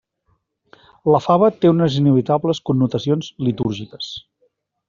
La fava té unes inevitables connotacions litúrgiques.